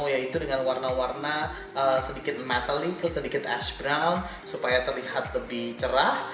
yaitu dengan warna warna sedikit metallic sedikit ash brown supaya terlihat lebih cerah